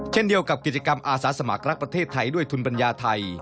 เช่นเดียวกับกิจกรรมอาสาสมัครรักประเทศไทยด้วยทุนปัญญาไทย